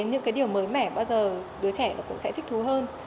những điều mới mẻ bao giờ đứa trẻ cũng sẽ thích thú hơn